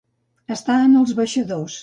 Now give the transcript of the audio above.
Estar en els baixadors.